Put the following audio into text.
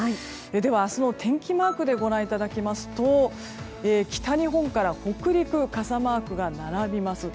では明日、天気マークでご覧いただきますと北日本から北陸傘マークが並びます。